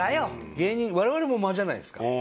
芸人我々も間じゃないですか。